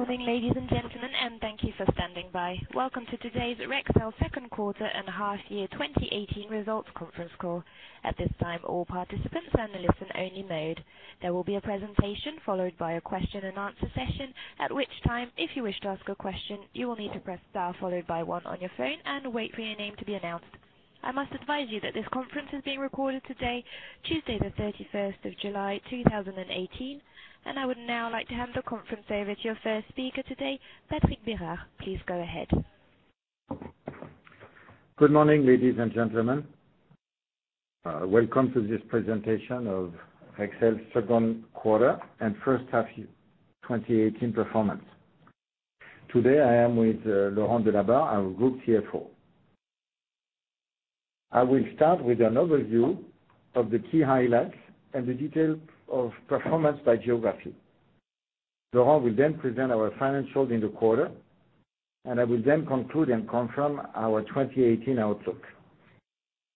Good morning, ladies and gentlemen. Thank you for standing by. Welcome to today's Rexel Second Quarter and Half Year 2018 Results Conference Call. At this time, all participants are in listen only mode. There will be a presentation followed by a question-and-answer session, at which time, if you wish to ask a question, you will need to press Star followed by one on your phone and wait for your name to be announced. I must advise you that this conference is being recorded today, Tuesday, the 31st of July, 2018. I would now like to hand the conference over to your first speaker today, Patrick Berard. Please go ahead. Good morning, ladies and gentlemen. Welcome to this presentation of Rexel second quarter and first half year 2018 performance. Today I am with Laurent Delabarre, our Group CFO. I will start with an overview of the key highlights and the detail of performance by geography. Laurent will then present our financials in the quarter. I will then conclude and confirm our 2018 outlook.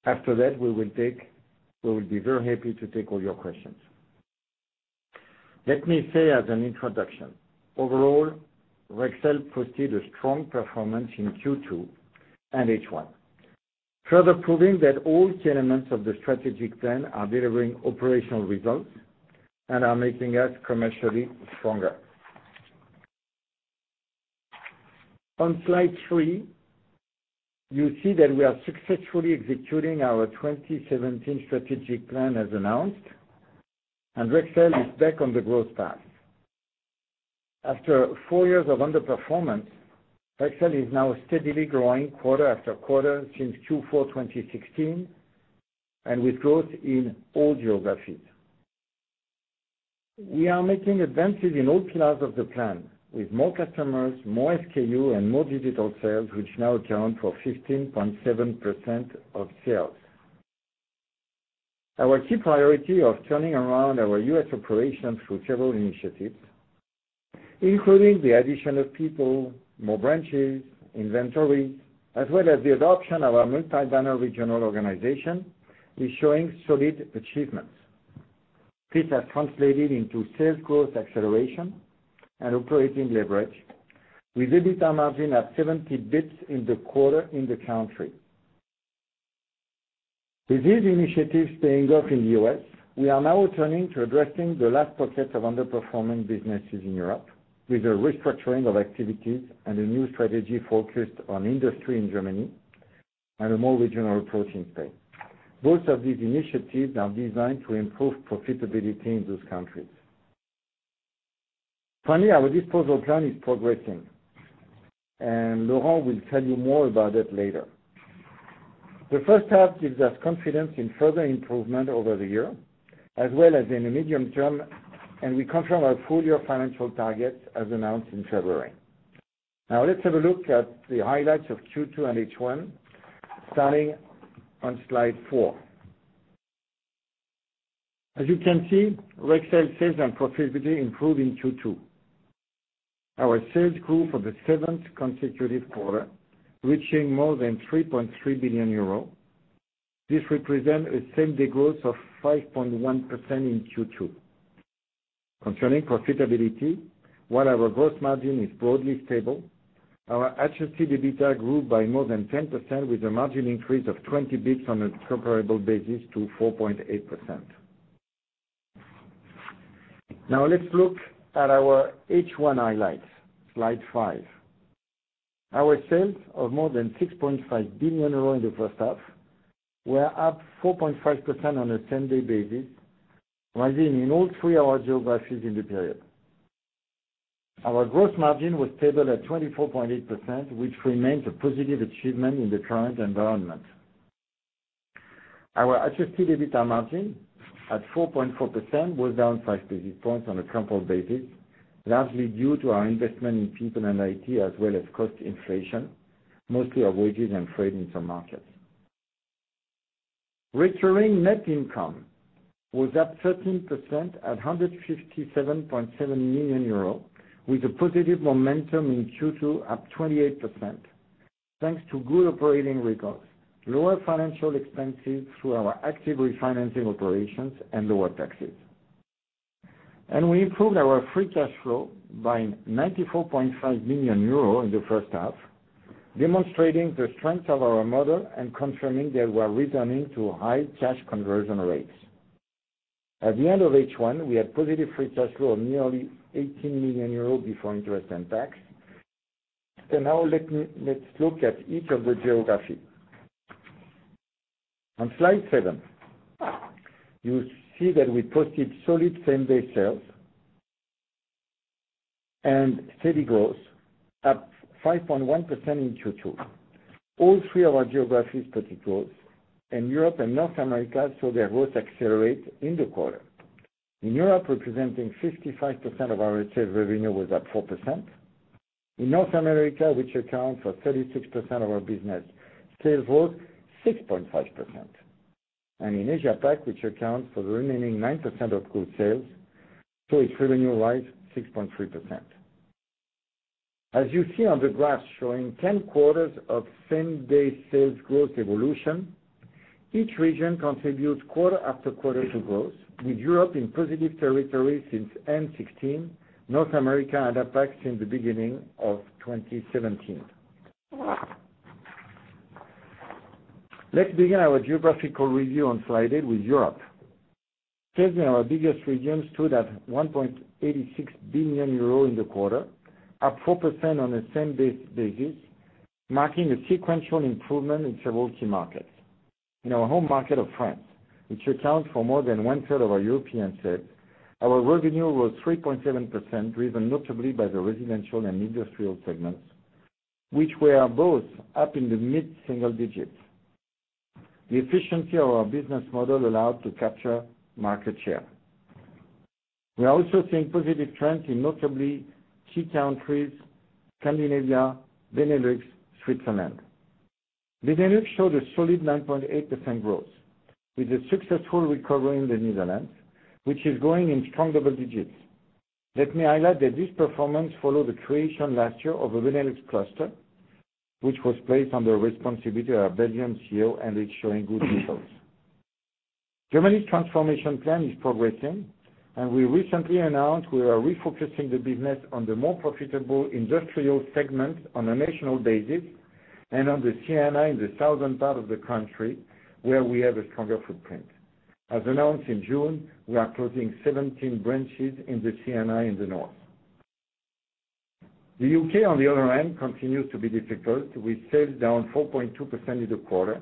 After that, we will be very happy to take all your questions. Let me say as an introduction, overall, Rexel posted a strong performance in Q2 and H1, further proving that all key elements of the strategic plan are delivering operational results and are making us commercially stronger. On slide three, you see that we are successfully executing our 2017 strategic plan as announced. Rexel is back on the growth path. After four years of underperformance, Rexel is now steadily growing quarter after quarter since Q4 2016. With growth in all geographies, we are making advances in all pillars of the plan, with more customers, more SKU, and more digital sales, which now account for 15.7% of sales. Our key priority of turning around our U.S. operations through several initiatives, including the addition of people, more branches, inventory, as well as the adoption of our multi-banner regional organization, is showing solid achievements. This has translated into sales growth acceleration and operating leverage, with EBITDA margin at 70 bps in the quarter in the country. With these initiatives paying off in the U.S., we are now turning to addressing the last pocket of underperforming businesses in Europe, with a restructuring of activities and a new strategy focused on industry in Germany and a more regional approach in Spain. Both of these initiatives are designed to improve profitability in those countries. Finally, our disposal plan is progressing. Laurent will tell you more about that later. The first half gives us confidence in further improvement over the year as well as in the medium term. We confirm our full-year financial targets as announced in February. Let's have a look at the highlights of Q2 and H1 starting on slide four. As you can see, Rexel sales and profitability improved in Q2. Our sales grew for the seventh consecutive quarter, reaching more than 3.3 billion euros. This represents a same-day growth of 5.1% in Q2. Concerning profitability, while our gross margin is broadly stable, our adjusted EBITDA grew by more than 10% with a margin increase of 20 bps on a comparable basis to 4.8%. Let's look at our H1 highlights. Slide five. Our sales of more than 6.5 billion euros in the first half, were up 4.5% on a same-day basis, rising in all three of our geographies in the period. Our gross margin was stable at 24.8%, which remains a positive achievement in the current environment. Our adjusted EBITDA margin at 4.4% was down 5 basis points on a comparable basis, largely due to our investment in people and IT, as well as cost inflation, mostly our wages and freight in some markets. Recurring net income was up 13% at 157.7 million euros, with a positive momentum in Q2 up 28%, thanks to good operating results, lower financial expenses through our active refinancing operations and lower taxes. We improved our free cash flow by 94.5 million euro in the first half, demonstrating the strength of our model and confirming that we're returning to high cash conversion rates. At the end of H1, we had positive free cash flow of nearly 18 million euros before interest and tax. Now let's look at each of the geography. On slide seven, you see that we posted solid same-day sales and steady growth up 5.1% in Q2. All three of our geographies posted growth, and Europe and North America saw their growth accelerate in the quarter. In Europe, representing 55% of our retail revenue was up 4%. In North America, which accounts for 36% of our business, sales growth 6.5%. In Asia Pac, which accounts for the remaining 9% of group sales, saw its revenue rise 6.3%. As you see on the graph showing 10 quarters of same-day sales growth evolution, each region contributes quarter after quarter to growth, with Europe in positive territory since end 2016, North America and Asia Pac since the beginning of 2017. Let's begin our geographical review on slide eight with Europe. Sales in our biggest region stood at 1.86 billion euro in the quarter, up 4% on the same-day basis, marking a sequential improvement in several key markets. In our home market of France, which accounts for more than one-third of our European sales, our revenue was 3.7%, driven notably by the residential and industrial segments, which were both up in the mid-single digits. The efficiency of our business model allowed to capture market share. We are also seeing positive trends in notably key countries Scandinavia, Benelux, Switzerland. Benelux showed a solid 9.8% growth, with a successful recovery in the Netherlands, which is growing in strong double digits. Let me highlight that this performance followed the creation last year of a Benelux cluster, which was placed under the responsibility of our Belgium CEO, and it's showing good results. Germany's transformation plan is progressing. We recently announced we are refocusing the business on the more profitable industrial segment on a national basis and on the C&I in the southern part of the country where we have a stronger footprint. As announced in June, we are closing 17 branches in the C&I in the north. The U.K., on the other hand, continues to be difficult, with sales down 4.2% in the quarter.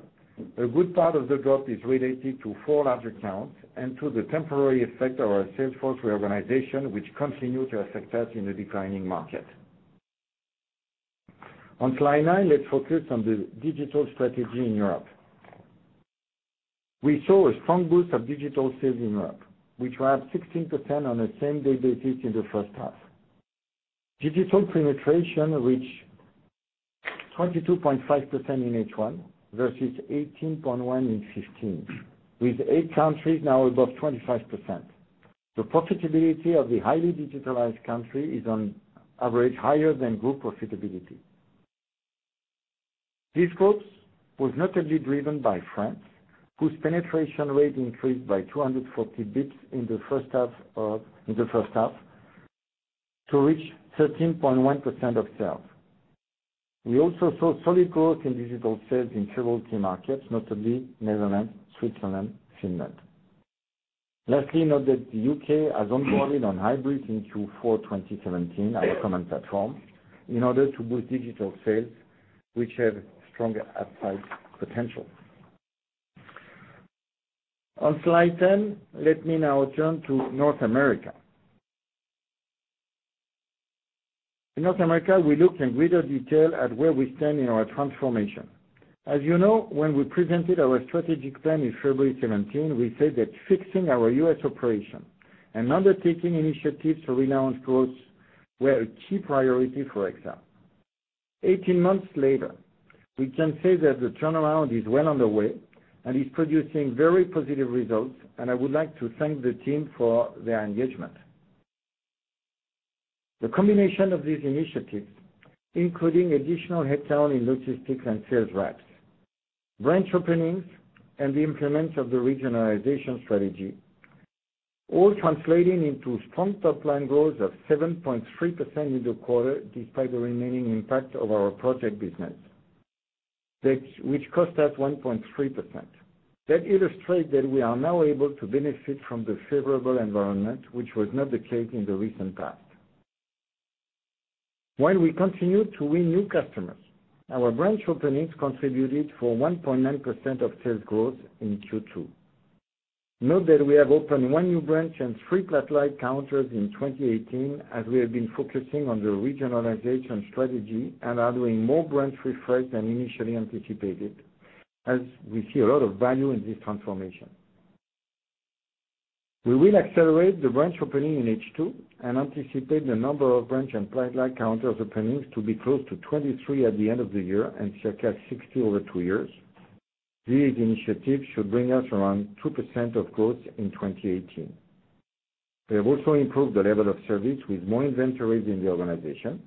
A good part of the drop is related to four large accounts and to the temporary effect of our sales force reorganization, which continue to affect us in the declining market. On slide nine, let's focus on the digital strategy in Europe. We saw a strong boost of digital sales in Europe, which were up 16% on a same-day basis in the first half. Digital penetration reached 22.5% in H1 versus 18.1% in 2015, with eight countries now above 25%. The profitability of the highly digitalized country is on average higher than group profitability. This growth was notably driven by France, whose penetration rate increased by 240 basis points in the first half to reach 13.1% of sales. We also saw solid growth in digital sales in several key markets, notably Netherlands, Switzerland, Finland. Lastly, note that the U.K. has onboarded on Hybris in Q4 2017, our common platform, in order to boost digital sales, which have strong upside potential. On slide 10, let me now turn to North America. In North America, we looked in greater detail at where we stand in our transformation. As you know, when we presented our strategic plan in February 2017, we said that fixing our U.S. operation and undertaking initiatives to relaunch growth were a key priority for Rexel. 18 months later, we can say that the turnaround is well underway and is producing very positive results, and I would like to thank the team for their engagement. The combination of these initiatives, including additional headcount in logistics and sales reps, branch openings, and the implement of the regionalization strategy, all translating into strong top-line growth of 7.3% in the quarter, despite the remaining impact of our project business, which cost us 1.3%. That illustrates that we are now able to benefit from the favorable environment, which was not the case in the recent past. While we continue to win new customers, our branch openings contributed for 1.9% of sales growth in Q2. Note that we have opened one new branch and three satellite counters in 2018, as we have been focusing on the regionalization strategy and are doing more branch refresh than initially anticipated, as we see a lot of value in this transformation. We will accelerate the branch opening in H2 and anticipate the number of branch and satellite counters openings to be close to 23 at the end of the year and circa 60 over two years. These initiatives should bring us around 2% of growth in 2018. We have also improved the level of service with more inventories in the organization.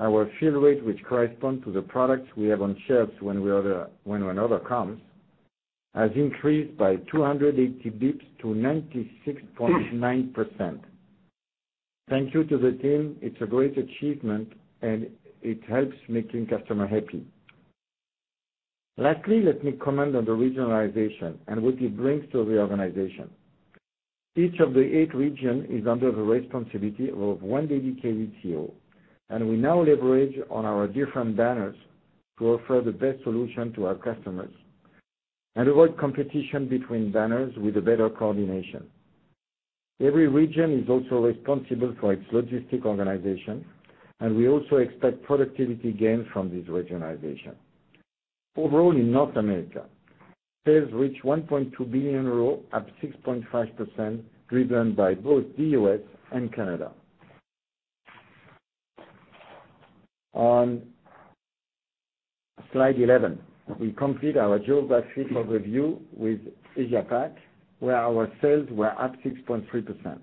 Our fill rate, which corresponds to the products we have on shelves when an order comes, has increased by 280 basis points to 96.9%. Thank you to the team. It's a great achievement, and it helps making customer happy. Lastly, let me comment on the regionalization and what it brings to the organization. Each of the eight region is under the responsibility of one dedicated CEO, and we now leverage on our different banners to offer the best solution to our customers and avoid competition between banners with a better coordination. Every region is also responsible for its logistic organization, and we also expect productivity gains from this regionalization. Overall in North America, sales reached 1.2 billion euros, up 6.5%, driven by both the U.S. and Canada. On slide 11, we complete our geographic overview with Asia Pac, where our sales were up 6.3%.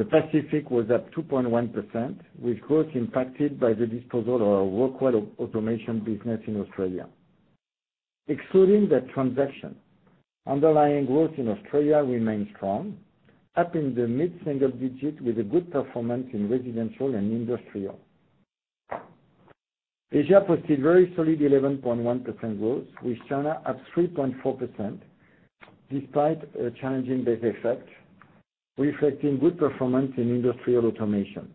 The Pacific was up 2.1%, with growth impacted by the disposal of our Rockwell Automation business in Australia. Excluding that transaction, underlying growth in Australia remains strong, up in the mid-single digits with a good performance in residential and industrial. Asia posted very solid 11.1% growth, with China up 3.4%, despite a challenging base effect, reflecting good performance in industrial automation.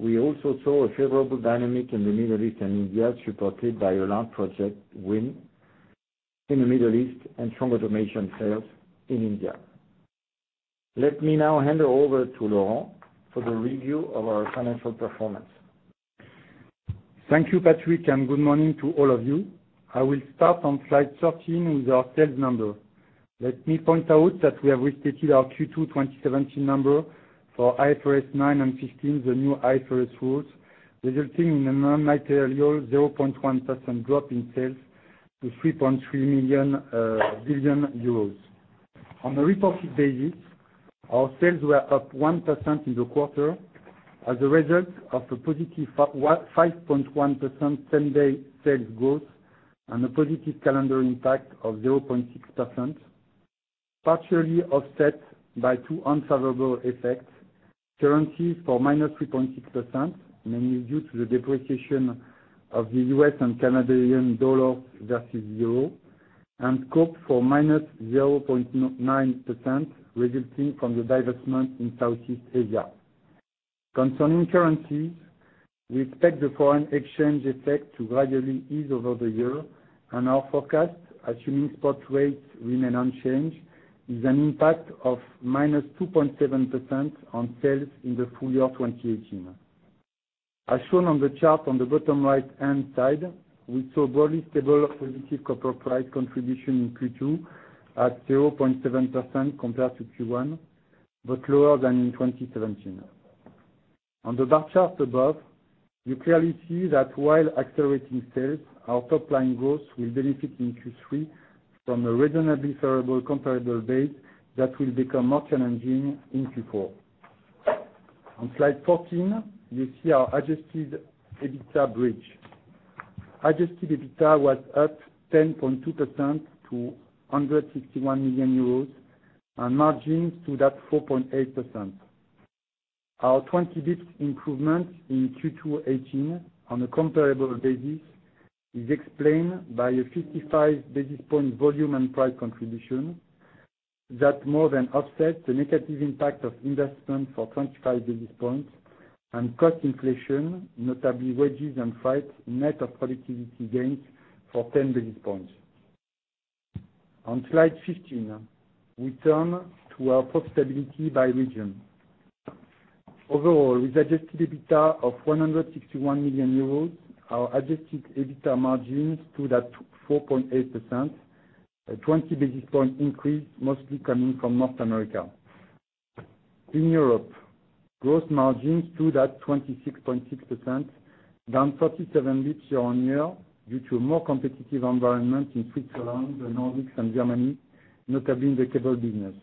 We also saw a favorable dynamic in the Middle East and India, supported by a large project win in the Middle East and strong automation sales in India. Let me now hand over to Laurent for the review of our financial performance. Thank you, Patrick. Good morning to all of you. I will start on slide 13 with our sales numbers. Let me point out that we have restated our Q2 2017 number for IFRS 9 and IFRS 15, the new IFRS rules, resulting in a non-material 0.1% drop in sales to 3.3 billion euros. On a reported basis, our sales were up 1% in the quarter as a result of a positive 5.1% same-day sales growth and a positive calendar impact of 0.6%, partially offset by two unfavorable effects, currencies for -3.6%, mainly due to the depreciation of the U.S. and CAD versus EUR, and scope for -0.9%, resulting from the divestment in Southeast Asia. Concerning currencies, we expect the foreign exchange effect to gradually ease over the year, and our forecast, assuming spot rates remain unchanged, is an impact of -2.7% on sales in the full year 2018. As shown on the chart on the bottom right-hand side, we saw broadly stable positive copper price contribution in Q2 at 0.7% compared to Q1, but lower than in 2017. On the bar chart above, you clearly see that while accelerating sales, our top-line growth will benefit in Q3 from a reasonably favorable comparable base that will become more challenging in Q4. On slide 14, you see our adjusted EBITDA bridge. Adjusted EBITDA was up 10.2% to 161 million euros and margins stood at 4.8%. Our 20 basis points improvement in Q2 2018 on a comparable basis is explained by a 55 basis points volume and price contribution that more than offsets the negative impact of investment for 25 basis points and cost inflation, notably wages and freight net of productivity gains for 10 basis points. On slide 15, we turn to our profitability by region. Overall, with adjusted EBITDA of 161 million euros, our adjusted EBITDA margins stood at 4.8%, a 20 basis points increase mostly coming from North America. In Europe, growth margins stood at 26.6%, down 37 basis points year-over-year due to a more competitive environment in Switzerland, the Nordics, and Germany, notably in the cable business.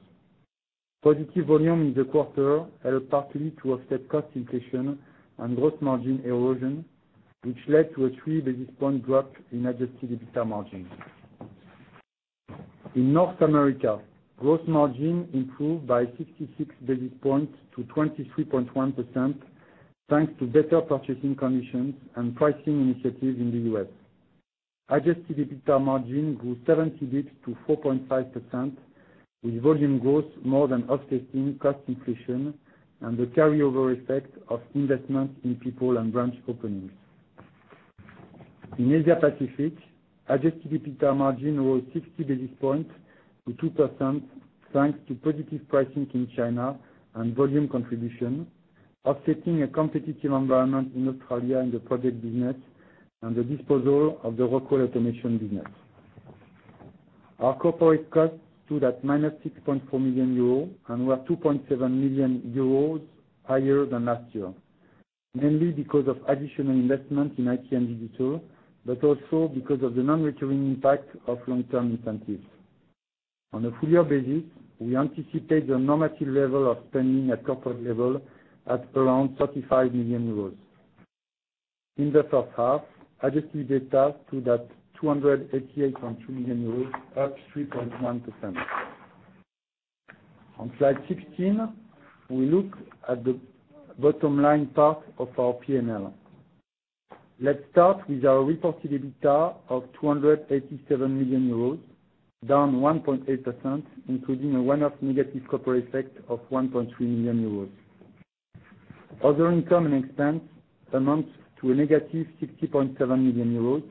Positive volume in the quarter helped partly to offset cost inflation and growth margin erosion, which led to a three basis points drop in adjusted EBITDA margins. In North America, growth margin improved by 66 basis points to 23.1% thanks to better purchasing conditions and pricing initiatives in the U.S. Adjusted EBITDA margin grew 70 basis points to 4.5%, with volume growth more than offsetting cost inflation and the carryover effect of investments in people and branch openings. In Asia Pacific, adjusted EBITDA margin was 60 basis points to 2% thanks to positive pricing in China and volume contribution, offsetting a competitive environment in Australia in the project business and the disposal of the Rockwell Automation business. Our corporate costs stood at -6.4 million euros and were 2.7 million euros higher than last year, mainly because of additional investment in IT and digital, but also because of the non-recurring impact of long-term incentives. On a full year basis, we anticipate the normative level of spending at corporate level at around 35 million euros. In the first half, adjusted EBITDA stood at 288.2 million euros, up 3.1%. On slide 16, we look at the bottom line part of our P&L. Let's start with our reported EBITDA of 287 million euros, down 1.8%, including a one-off negative copper effect of 1.3 million euros. Other income and expense amounts to a negative 60.7 million euros,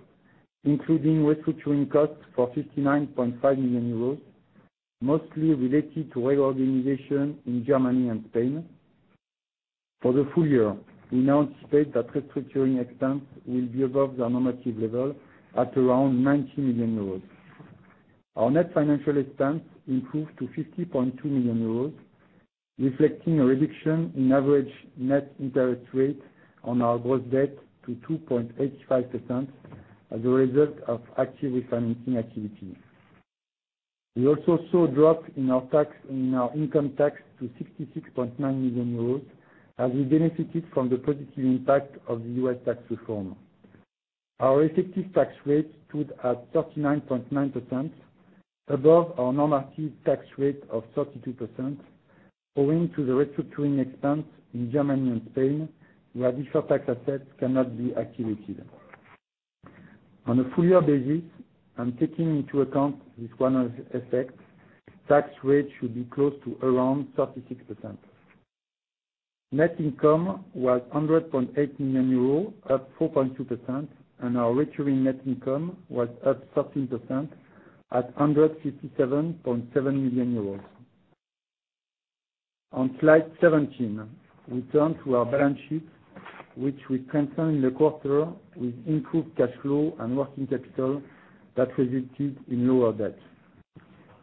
including restructuring costs for 59.5 million euros, mostly related to reorganization in Germany and Spain. For the full year, we now state that restructuring expense will be above the normative level at around 90 million euros. Our net financial expense improved to 50.2 million euros, reflecting a reduction in average net interest rate on our gross debt to 2.85% as a result of active refinancing activity. We also saw a drop in our income tax to 66.9 million euros as we benefited from the positive impact of the U.S. tax reform. Our effective tax rate stood at 39.9%, above our normality tax rate of 32%, owing to the restructuring expense in Germany and Spain, where deferred tax assets cannot be activated. On a full-year basis, and taking into account this one-off effect, tax rate should be close to around 36%. Net income was 100.8 million euros, up 4.2%, and our recurring net income was up 13% at 157.7 million euros. On slide 17, we turn to our balance sheet, which we strengthened in the quarter with improved cash flow and working capital that resulted in lower debt.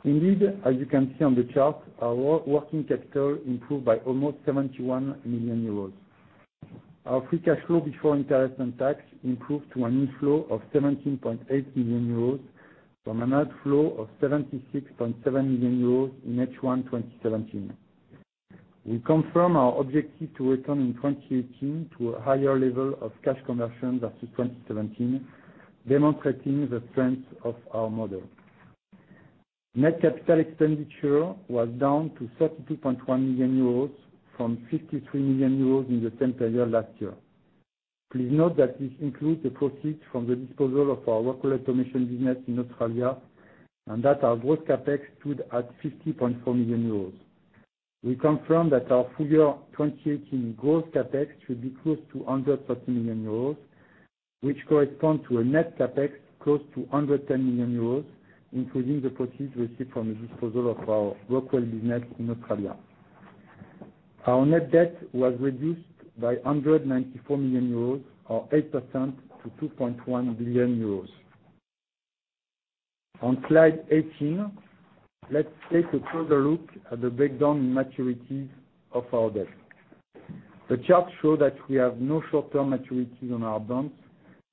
Indeed, as you can see on the chart, our working capital improved by almost 71 million euros. Our free cash flow before interest and tax improved to an inflow of 17.8 million euros from an outflow of 76.7 million euros in H1 2017. We confirm our objective to return in 2018 to a higher level of cash conversion versus 2017, demonstrating the strength of our model. Net capital expenditure was down to 32.1 million euros from 53 million euros in the same period last year. Please note that this includes the proceeds from the disposal of our Rockwell Automation business in Australia, and that our gross CapEx stood at 50.4 million euros. We confirm that our full year 2018 gross CapEx should be close to 130 million euros, which corresponds to a net CapEx close to 110 million euros, including the proceeds received from the disposal of our Rockwell business in Australia. Our net debt was reduced by 194 million euros or 8% to 2.1 billion euros. On slide 18, let's take a further look at the breakdown in maturities of our debt. The charts show that we have no short-term maturities on our bonds,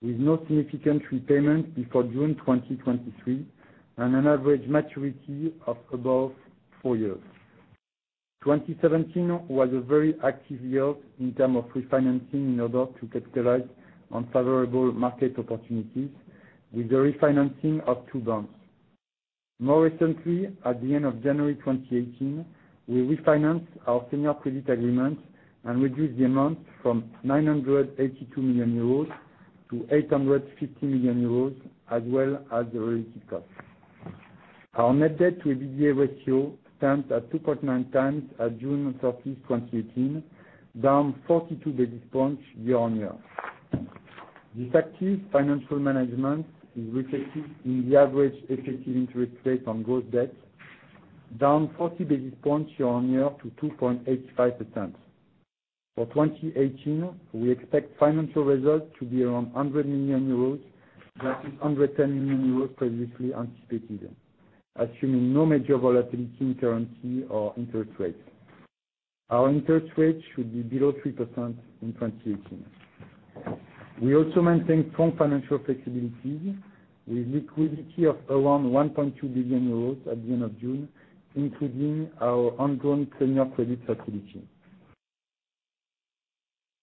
with no significant repayment before June 2023, and an average maturity of above four years. 2017 was a very active year in term of refinancing in order to capitalize on favorable market opportunities with the refinancing of two bonds. More recently, at the end of January 2018, we refinanced our senior credit agreement and reduced the amount from 982 million euros to 850 million euros, as well as the related cost. Our net debt to EBITDA ratio stands at 2.9 times at June 30th 2018, down 42 basis points year-on-year. This active financial management is reflected in the average effective interest rate on gross debt, down 40 basis points year-on-year to 2.85%. For 2018, we expect financial results to be around 100 million euros versus 110 million euros previously anticipated, assuming no major volatility in currency or interest rates. Our interest rate should be below 3% in 2018. We also maintain strong financial flexibility with liquidity of around 1.2 billion euros at the end of June, including our undrawn senior credit facility.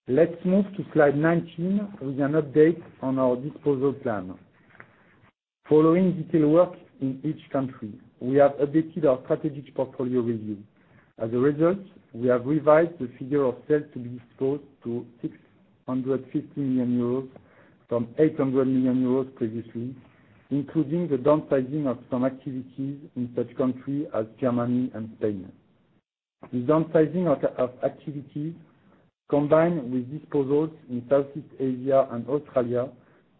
Let's move to slide 19 with an update on our disposal plan. Following detailed work in each country, we have updated our strategic portfolio review. As a result, we have revised the figure of sales to be disposed to 650 million euros from 800 million euros previously, including the downsizing of some activities in such country as Germany and Spain. The downsizing of activity, combined with disposals in Southeast Asia and Australia,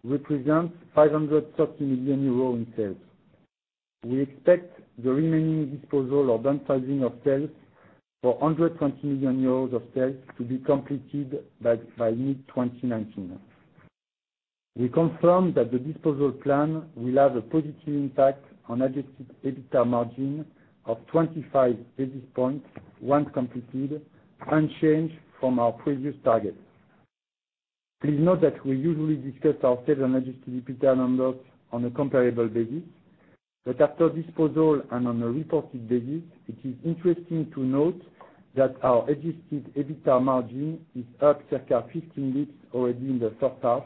represents 530 million euros in sales. We expect the remaining disposal or downsizing of sales for 120 million euros of sales to be completed by mid-2019. We confirm that the disposal plan will have a positive impact on adjusted EBITDA margin of 25 basis points once completed, unchanged from our previous target. Please note that we usually discuss our sales and adjusted EBITDA numbers on a comparable basis, but after disposal and on a reported basis, it is interesting to note that our adjusted EBITDA margin is up circa 15 basis points already in the first half,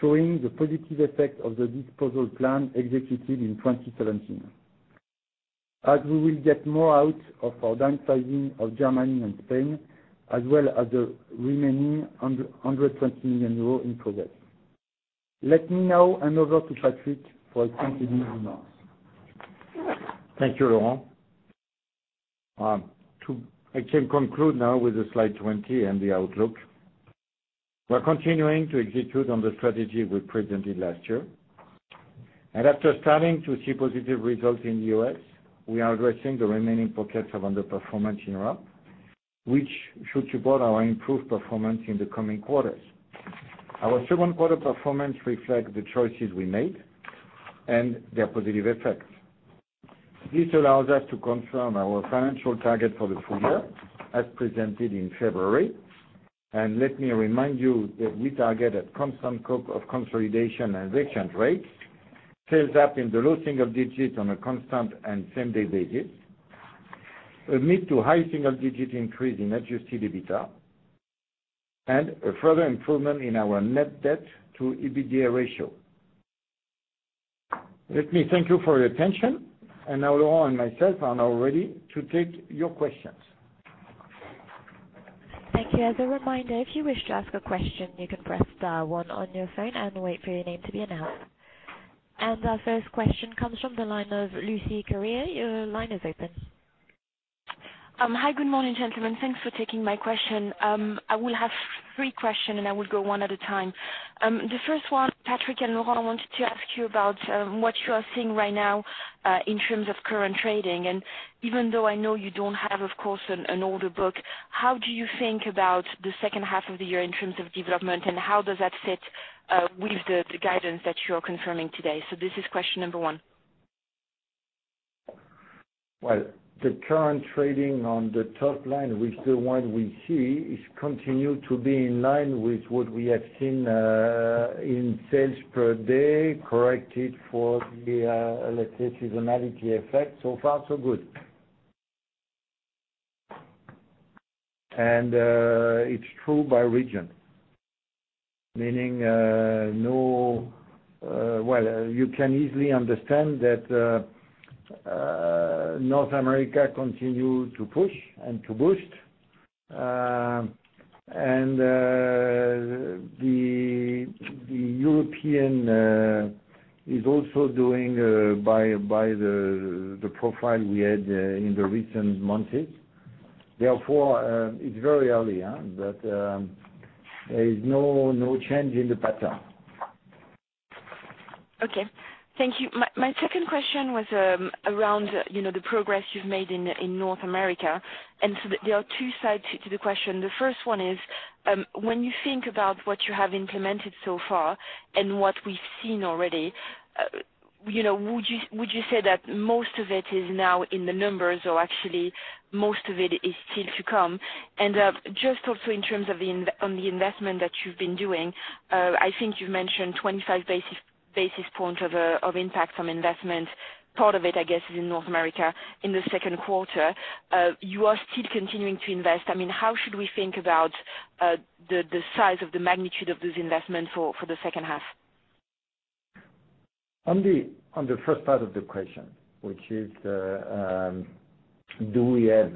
showing the positive effect of the disposal plan executed in 2017, as we will get more out of our downsizing of Germany and Spain, as well as the remaining 120 million euros in progress. Let me now hand over to Patrick for concluding remarks. Thank you, Laurent. I can conclude now with the slide 20 and the outlook. We're continuing to execute on the strategy we presented last year. After starting to see positive results in the U.S., we are addressing the remaining pockets of underperformance in Europe, which should support our improved performance in the coming quarters. Our second quarter performance reflects the choices we made and their positive effects. This allows us to confirm our financial target for the full year as presented in February. Let me remind you that we target a constant scope of consolidation and exchange rates, sales up in the low single digits on a constant and same day basis, a mid to high single digit increase in adjusted EBITDA, and a further improvement in our net debt to EBITDA ratio. Let me thank you for your attention. Now Laurent and myself are now ready to take your questions. Thank you. As a reminder, if you wish to ask a question, you can press star one on your phone and wait for your name to be announced. Our first question comes from the line of Lucie Carriat. Your line is open. Hi. Good morning, gentlemen. Thanks for taking my question. I will have three question, and I will go one at a time. The first one, Patrick and Laurent, I wanted to ask you about what you are seeing right now, in terms of current trading. Even though I know you don't have, of course, an order book, how do you think about the second half of the year in terms of development, and how does that fit with the guidance that you're confirming today? This is question number one. Well, the current trading on the top line with the one we see is continue to be in line with what we have seen in sales per day, corrected for the, let's say, seasonality effect. So far, so good. It's true by region. Meaning, you can easily understand that North America continue to push and to boost. The European is also doing by the profile we had in the recent months. Therefore, it's very early. There is no change in the pattern. Okay. Thank you. My second question was around the progress you've made in North America. There are two sides to the question. The first one is, when you think about what you have implemented so far and what we've seen already, would you say that most of it is now in the numbers or actually most of it is still to come? Just also in terms on the investment that you've been doing, I think you've mentioned 25 basis points of impact from investment. Part of it, I guess, is in North America in the second quarter. You are still continuing to invest. How should we think about the size of the magnitude of those investments for the second half? On the first part of the question, which is, do we have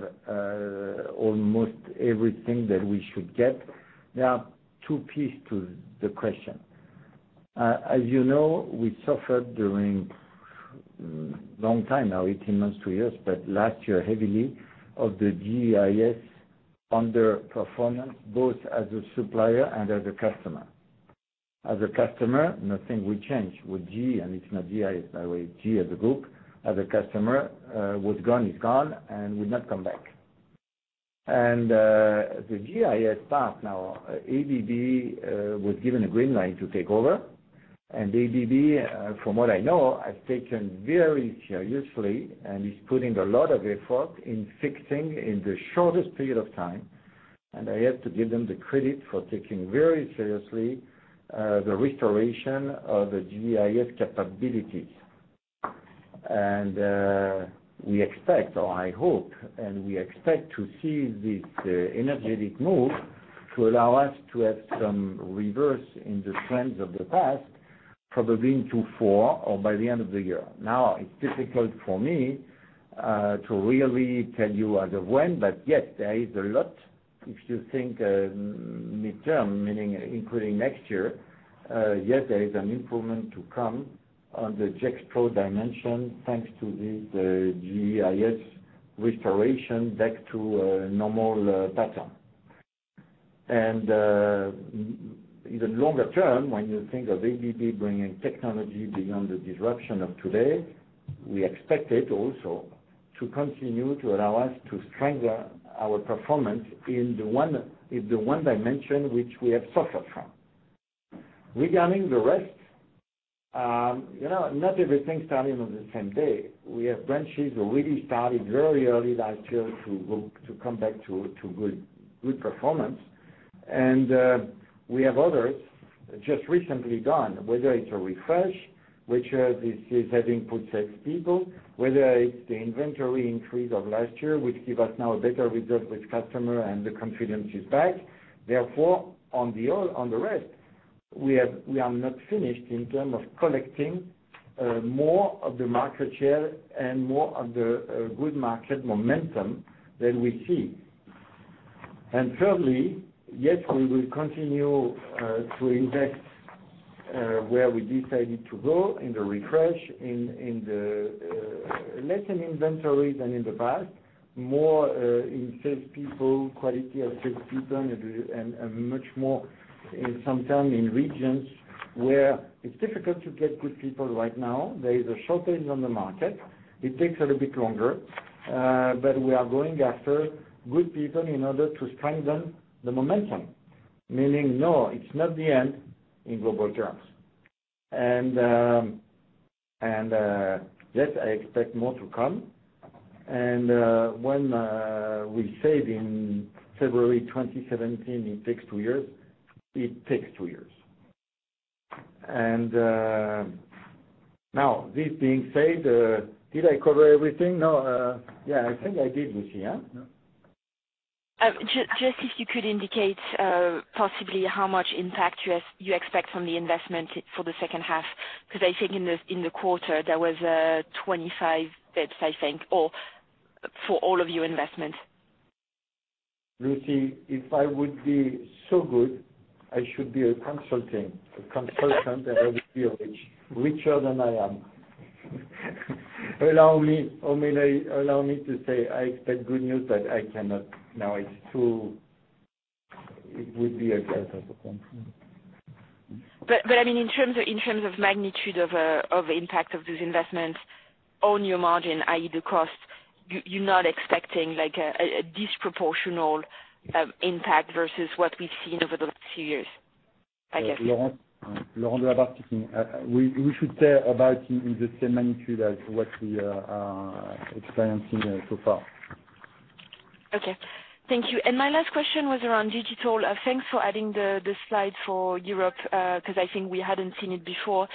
almost everything that we should get? There are two pieces to the question. As you know, we suffered during a long time now, 18 months to years, but last year heavily of the GEIS underperformance, both as a supplier and as a customer. As a customer, nothing will change with GE, and it's not GEIS that way, GE as a group. As a customer, what's gone is gone and will not come back. The GEIS part now, ABB was given a green light to take over. ABB, from what I know, has taken very seriously and is putting a lot of effort in fixing in the shortest period of time. I have to give them the credit for taking very seriously, the restoration of the GEIS capabilities. We expect, or I hope, we expect to see this energetic move to allow us to have some reverse in the trends of the past, probably into Q4 or by the end of the year. It's difficult for me to really tell you as of when, but yes, there is a lot if you think midterm, meaning including next year. Yes, there is an improvement to come on the Gexpro dimension, thanks to this GEIS restoration back to a normal pattern. In the longer term, when you think of ABB bringing technology beyond the disruption of today, we expect it also to continue to allow us to strengthen our performance in the one dimension which we have suffered from. Regarding the rest, not everything starting on the same day. We have branches who really started very early last year to come back to good performance. We have others just recently done, whether it's a refresh, which is having good sales people, whether it's the inventory increase of last year, which gives us now a better result with customer and the confidence is back. Therefore, on the rest, we are not finished in terms of collecting more of the market share and more of the good market momentum than we see. Thirdly, yes, we will continue to invest where we decided to go in the refresh, in the lesser inventories than in the past, more in salespeople, quality of salespeople, and much more in sometime in regions where it's difficult to get good people right now, there is a shortage on the market. It takes a little bit longer, but we are going after good people in order to strengthen the momentum. Meaning, no, it's not the end in global terms. Yes, I expect more to come. When we said in February 2017, it takes two years, it takes two years. Now, this being said, did I cover everything? No. Yeah, I think I did, Lucie. Just if you could indicate possibly how much impact you expect from the investment for the second half, because I think in the quarter, there was 25 basis points, I think, or for all of your investments. Lucie, if I would be so good, I should be a consultant, I would be richer than I am. Allow me to say, I expect good news, I cannot now. It would be a of a consultant. In terms of magnitude of impact of these investments on your margin, i.e., the cost, you're not expecting a disproportional impact versus what we've seen over those two years, I guess. Laurent Delabarre speaking. We should say about in the same magnitude as what we are experiencing so far. Okay. Thank you. My last question was around digital. Thanks for adding the slide for Europe, because I think we hadn't seen it before.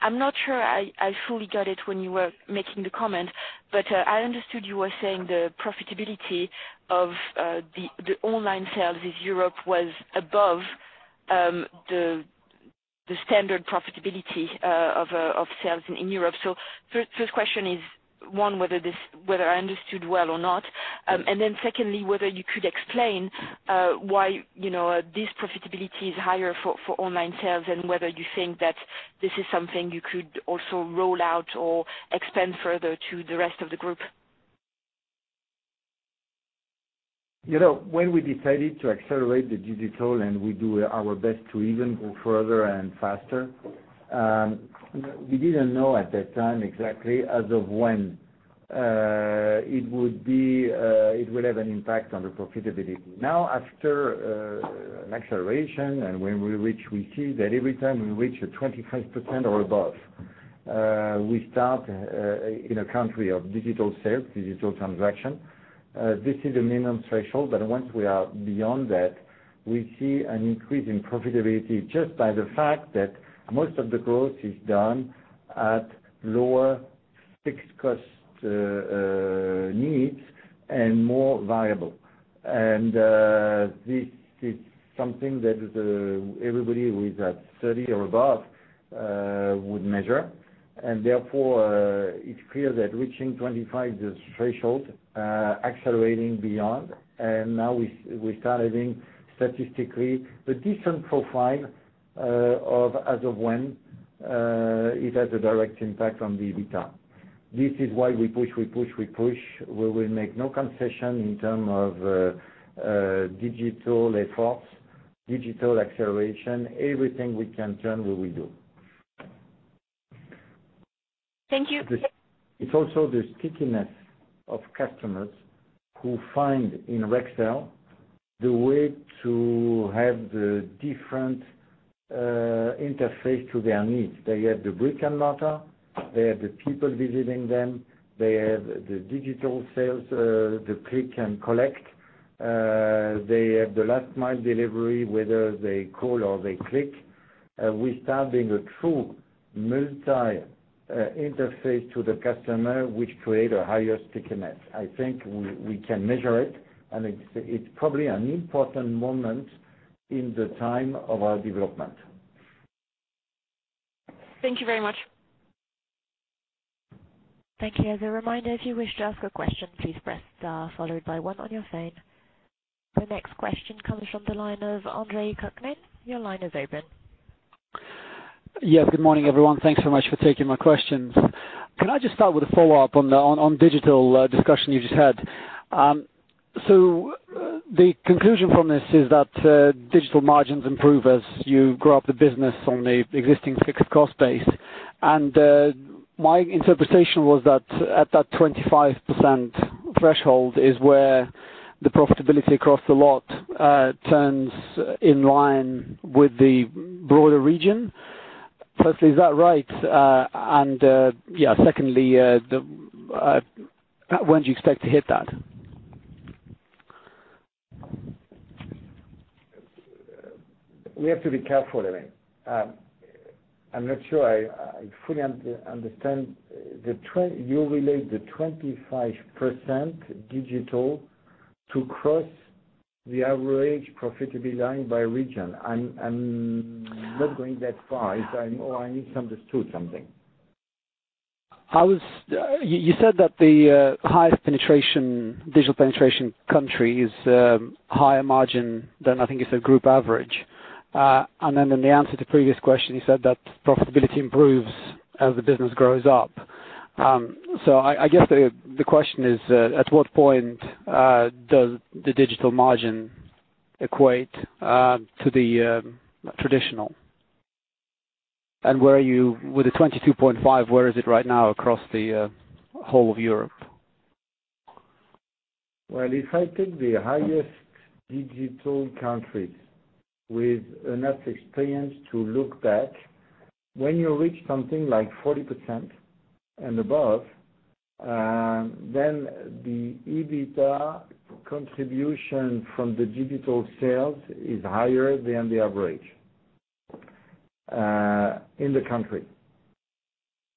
I'm not sure I fully got it when you were making the comment, but I understood you were saying the profitability of the online sales in Europe was above the standard profitability of sales in Europe. First question is, one, whether I understood well or not, and then secondly, whether you could explain why this profitability is higher for online sales and whether you think that this is something you could also roll out or expand further to the rest of the group. When we decided to accelerate the digital, we do our best to even go further and faster, we didn't know at that time exactly as of when it will have an impact on the profitability. After an acceleration, when we reach, we see that every time we reach a 25% or above, we start in a country of digital sales, digital transaction. This is a minimum threshold, but once we are beyond that, we see an increase in profitability just by the fact that most of the growth is done at lower fixed cost needs and more variable. This is something that everybody with a study or above would measure. Therefore, it's clear that reaching 25% is the threshold, accelerating beyond. Now we start having statistically a decent profile as of when it has a direct impact on the EBITDA. This is why we push, we push, we push. We will make no concession in term of digital efforts, digital acceleration. Everything we can turn, we will do. Thank you. It's also the stickiness of customers who find in Rexel the way to have the different interface to their needs. They have the brick and mortar, they have the people visiting them, they have the digital sales, the click and collect. They have the last mile delivery, whether they call or they click. We start being a true multi-interface to the customer, which create a higher stickiness. I think we can measure it, and it's probably an important moment in the time of our development. Thank you very much. Thank you. As a reminder, if you wish to ask a question, please press star followed by one on your phone. The next question comes from the line of Andre Kukhnin. Your line is open. Yes. Good morning, everyone. Thanks so much for taking my questions. Can I just start with a follow-up on digital discussion you just had? The conclusion from this is that digital margins improve as you grow up the business on the existing fixed cost base. My interpretation was that at that 25% threshold is where the profitability across the lot turns in line with the broader region. Firstly, is that right? Secondly, when do you expect to hit that? We have to be careful, Andre. I'm not sure I fully understand. You relate the 25% digital to cross the average profitability line by region. I'm not going that far. I misunderstood something. You said that the highest digital penetration country is higher margin than I think it's a group average. In the answer to previous question, you said that profitability improves as the business grows up. I guess the question is, at what point does the digital margin equate to the traditional? With the 22.5%, where is it right now across the whole of Europe? If I take the highest digital countries with enough experience to look back, when you reach something like 40% and above, the EBITDA contribution from the digital sales is higher than the average in the country.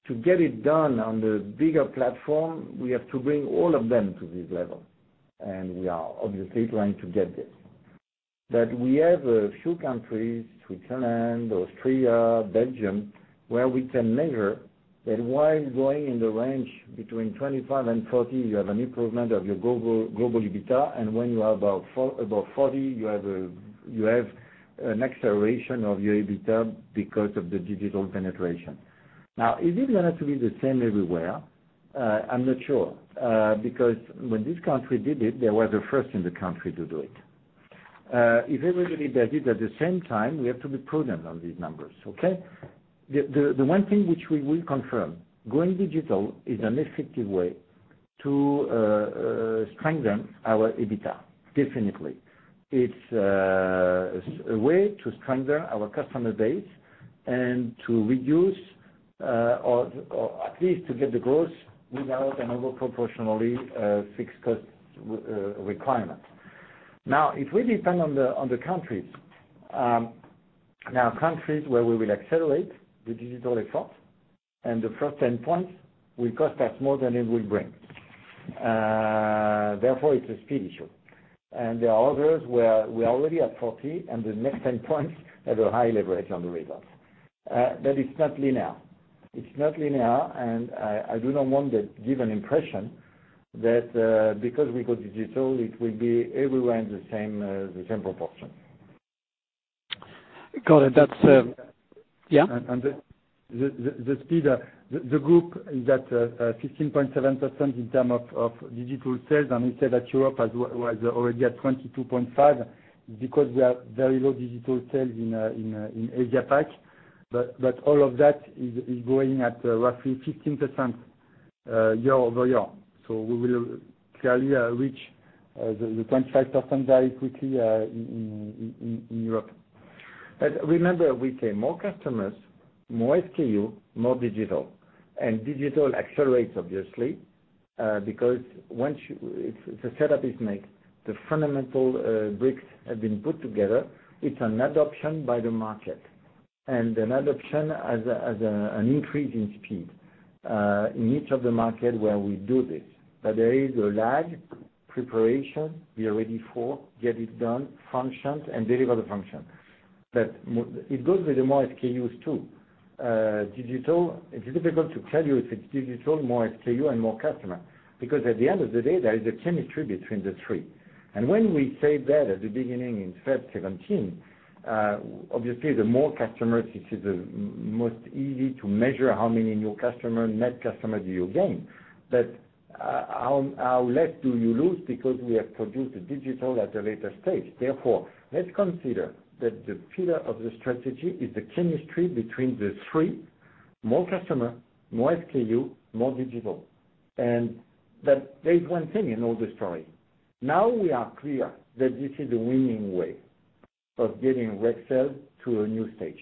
To get it done on the bigger platform, we have to bring all of them to this level, we are obviously trying to get this. We have a few countries, Switzerland, Austria, Belgium, where we can measure that while going in the range between 25% and 40%, you have an improvement of your global EBITDA. When you are above 40%, you have an acceleration of your EBITDA because of the digital penetration. Is it going to be the same everywhere? I'm not sure, because when this country did it, they were the first in the country to do it. If everybody does it at the same time, we have to be prudent on these numbers, okay? The one thing which we will confirm, going digital is an effective way to strengthen our EBITDA, definitely. It is a way to strengthen our customer base and to reduce, or at least to get the growth without an over proportionally fixed cost requirement. If we depend on the countries, there are countries where we will accelerate the digital effort, and the first 10 points will cost us more than it will bring. Therefore, it is a speed issue. There are others where we are already at 40, and the next 10 points have a high leverage on the results. It is not linear. It is not linear, and I do not want to give an impression that because we go digital, it will be everywhere in the same proportion. Got it. That is Yeah? The speed, the group is at 15.7% in term of digital sales, and we said that Europe was already at 22.5% because we have very low digital sales in Asia Pac. All of that is growing at roughly 15% year-over-year. We will clearly reach the 25% very quickly in Europe. Remember, we say more customers, more SKU, more digital. Digital accelerates, obviously, because once the setup is made, the fundamental bricks have been put together. It is an adoption by the market, and an adoption as an increase in speed in each of the market where we do this. There is a lag, preparation, we are ready for, get it done, functioned, and deliver the function. It goes with the more SKUs, too. It is difficult to tell you if it is digital, more SKU, and more customer, because at the end of the day, there is a chemistry between the three. When we say that at the beginning in Feb 2017, obviously, the more customers, this is the most easy to measure how many new customer, net customer do you gain. How less do you lose because we have produced the digital at a later stage. Let's consider that the pillar of the strategy is the chemistry between the three, more customer, more SKU, more digital. That there is one thing in all the story. Now we are clear that this is a winning way of getting Rexel to a new stage.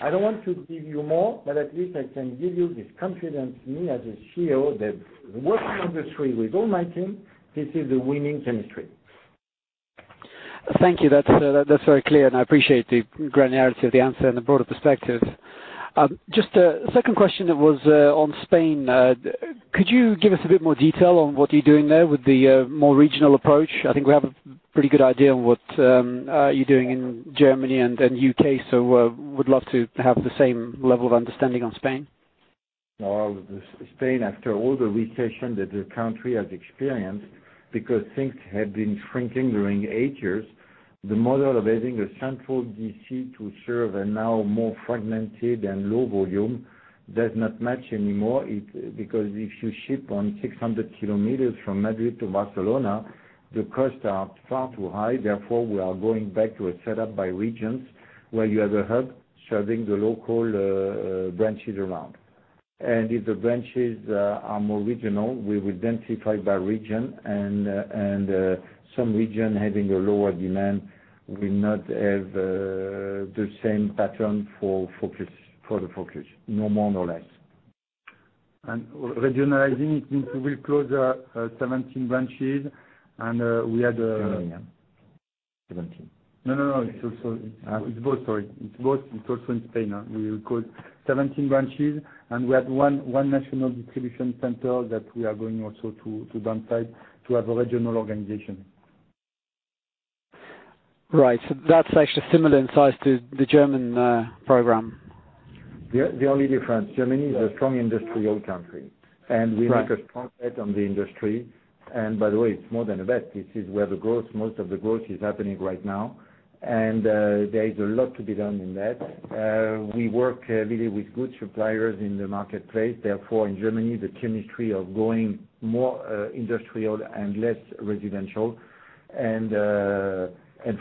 I don't want to give you more, but at least I can give you this confidence, me, as a CEO, that working on the three with all my team, this is a winning chemistry. Thank you. That's very clear, and I appreciate the granularity of the answer and the broader perspective. A second question that was on Spain. Could you give us a bit more detail on what you're doing there with the more regional approach? I think we have a pretty good idea on what you're doing in Germany and U.K., so would love to have the same level of understanding on Spain. Well, Spain, after all the recession that the country has experienced, because things had been shrinking during eight years, the model of having a central DC to serve are now more fragmented and low volume, does not match anymore because if you ship on 600 km from Madrid to Barcelona, the costs are far too high. We are going back to a set up by regions where you have a hub serving the local branches around. If the branches are more regional, we will densify by region, and some region having a lower demand will not have the same pattern for the focus. No more, no less. Regionalizing it means we will close our 17 branches. 17, yeah. 17. No, no. It's both, sorry. It's both. It's also in Spain. We will close 17 branches, and we had one national distribution center that we are going also to downsize to have a regional organization. Right. That's actually similar in size to the German program. The only difference, Germany is a strong industrial country, and we make a strong bet on the industry. By the way, it's more than a bet. This is where most of the growth is happening right now, and there is a lot to be done in that. We work really with good suppliers in the marketplace. Therefore, in Germany, the chemistry of going more industrial and less residential and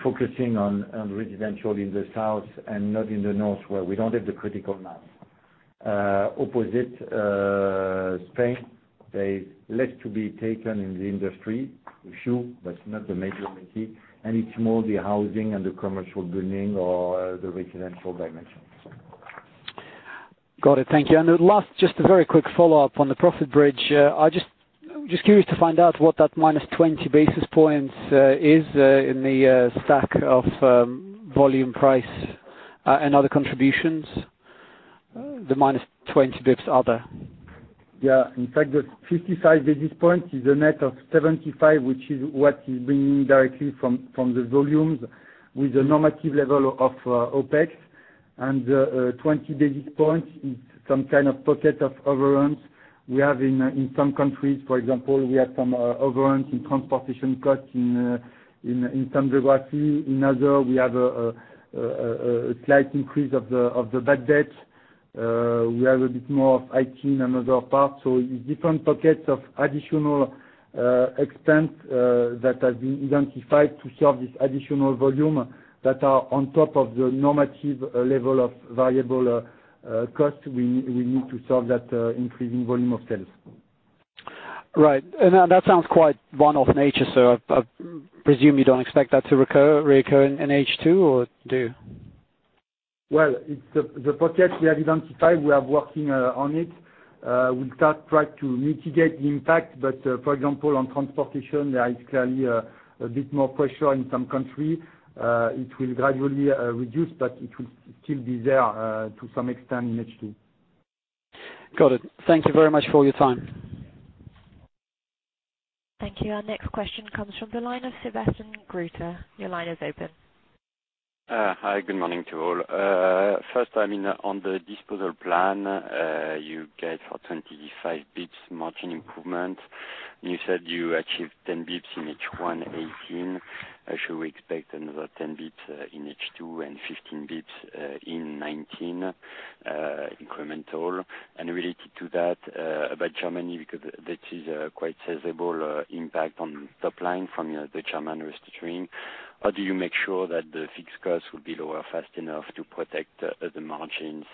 focusing on residential in the south and not in the north, where we don't have the critical mass. Opposite Spain, there is less to be taken in the industry, for sure, but it's not the majority. It's more the housing and the commercial building or the residential dimension. Got it. Thank you. Last, just a very quick follow-up on the profit bridge. I'm just curious to find out what that minus 20 basis points is in the stack of volume price and other contributions. The minus 20 basis points other. Yeah. In fact, the 55 basis points is a net of 75, which is what is bringing directly from the volumes with the normative level of OpEx. 20 basis points is some kind of pocket of overruns we have in some countries. For example, we have some overruns in transportation costs in some geography. In other, we have a slight increase of the bad debt. We have a bit more of IT in another part. It's different pockets of additional expense that has been identified to serve this additional volume that are on top of the normative level of variable cost we need to serve that increasing volume of sales. Right. That sounds quite one-off nature. I presume you don't expect that to reoccur in H2 or do you? Well, it's the pocket we have identified, we are working on it. We start try to mitigate the impact, for example, on transportation, there is clearly a bit more pressure in some country. It will gradually reduce, it will still be there to some extent in H2. Got it. Thank you very much for your time. Thank you. Our next question comes from the line of Sebastian Grutter. Your line is open. Hi. Good morning to all. First, I mean, on the disposal plan, you get for 25 bps margin improvement. You said you achieved 10 bps in H1 2018. Should we expect another 10 bps in H2 and 15 bps in 2019, incremental? Related to that, about Germany, because that is a quite sizable impact on top line from the German restructuring. How do you make sure that the fixed cost will be lower fast enough to protect the margins?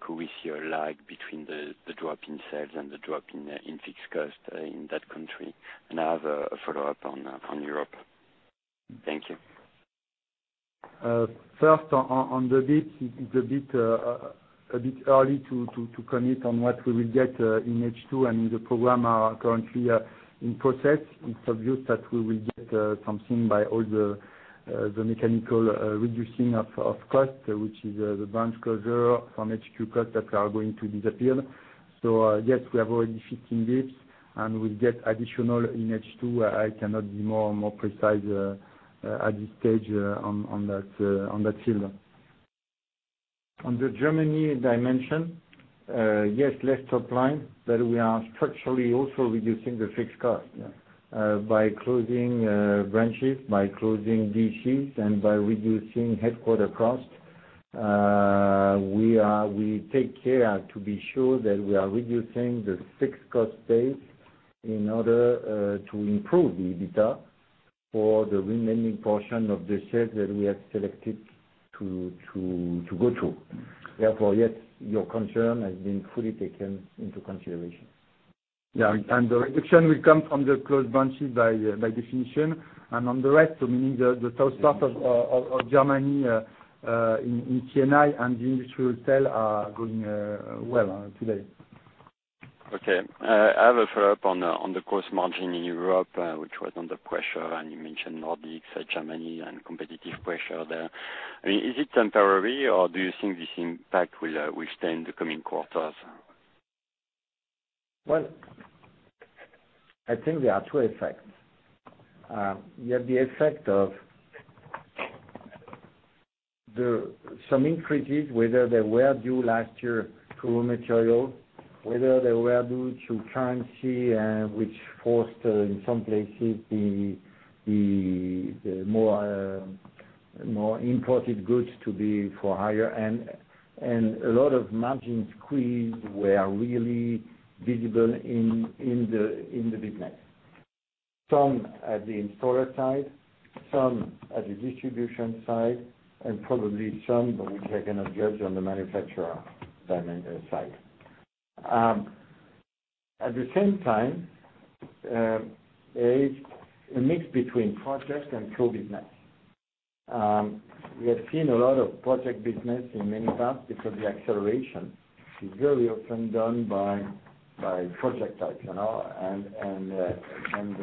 Could we see a lag between the drop in sales and the drop in fixed cost in that country? I have a follow-up on Europe. Thank you. First on the bps, it's a bit early to commit on what we will get in H2 and the program are currently in process. It's obvious that we will get something by all the mechanical reducing of cost, which is the branch closure from HQ cuts that are going to disappear. Yes, we have already 15 bps and we'll get additional in H2. I cannot be more precise at this stage on that field. On the Germany dimension, yes, less top line, but we are structurally also reducing the fixed cost by closing branches, by closing DCs, and by reducing headquarter cost. We take care to be sure that we are reducing the fixed cost base in order to improve the EBITDA for the remaining portion of the sales that we have selected to go through. Yes, your concern has been fully taken into consideration. Yeah, the reduction will come from the closed branches by definition. On the rest, meaning the south part of Germany in C&I and the industrial sale are going well today. Okay. I have a follow-up on the cost margin in Europe, which was under pressure. You mentioned Nordics, Germany, and competitive pressure there. Is it temporary, or do you think this impact will stay in the coming quarters? Well, I think there are two effects. You have the effect of some increases, whether they were due last year to raw material, whether they were due to currency, which forced, in some places, the more imported goods to be for higher. A lot of margin squeeze were really visible in the business. Some at the installer side, some at the distribution side, and probably some which I cannot judge on the manufacturer side. At the same time, there is a mix between project and core business. We have seen a lot of project business in many parts because the acceleration is very often done by project types. The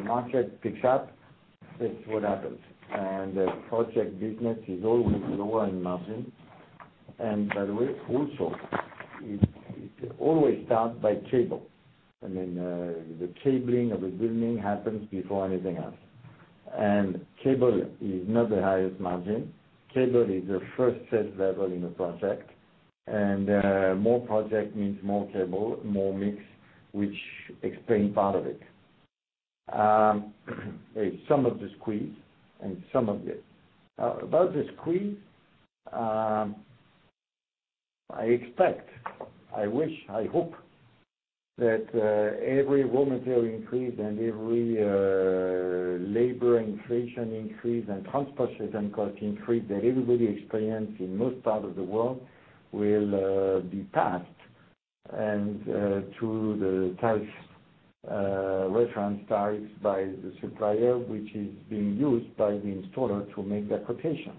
market picks up, it's what happens. The project business is always lower in margin By the way, also, it always starts by cable. The cabling of a building happens before anything else. Cable is not the highest margin. Cable is the first sales level in a project. More project means more cable, more mix, which explains part of it. Some of the squeeze. About the squeeze, I expect, I wish, I hope that every raw material increase and every labor inflation increase and transport cost increase that everybody experience in most part of the world will be passed, and through the reference tariffs by the supplier, which is being used by the installer to make their quotation.